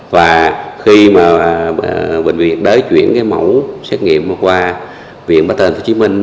và khi bệnh viện nhiệt đới chuyển mẫu xét nghiệm qua viện bắc tên tp hcm